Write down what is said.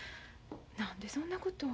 何でそんなこと。